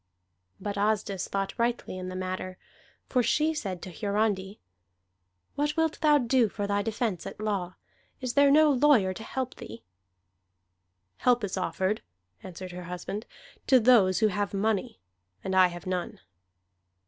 But Asdis thought rightly in the matter. For she said to Hiarandi: "What wilt thou do for thy defence at law? Is there no lawyer to help thee?" "Help is offered," answered her husband, "to those who have money. And I have none."